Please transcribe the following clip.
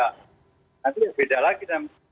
nanti beda lagi